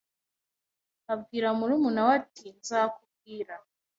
Abwira murumuna we ati: "Nzakubwira."